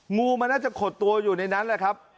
งูมันน่าจะขดตัวอยู่ในนั้นแหละครับ